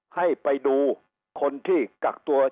ให้ไปดูคนที่กักตัว